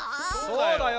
そうだよ。